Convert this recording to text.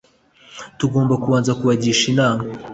tugomba kubanza kuba gisha inama.